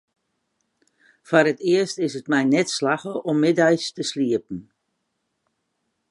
Foar it earst is it my net slagge om middeis te sliepen.